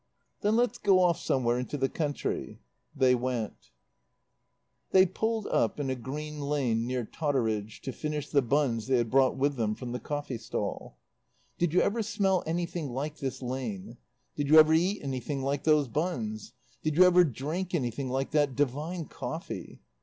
"Then let's go off somewhere into the country." They went. They pulled up in a green lane near Totteridge to finish the buns they had brought with them from the coffee stall. "Did you ever smell anything like this lane? Did you ever eat anything like these buns? Did you ever drink anything like that divine coffee?